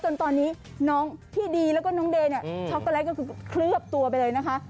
จนตอนนี้น้องพี่ดีแล้วก็น้องเดย์เนี่ยช็อกโกแลตก็คือเคลือบตัวไปเลยนะคะ